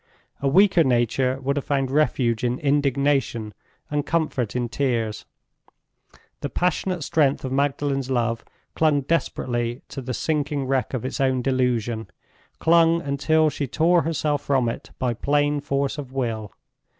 A weaker nature would have found refuge in indignation and comfort in tears. The passionate strength of Magdalen's love clung desperately to the sinking wreck of its own delusion clung, until she tore herself from it, by plain force of will.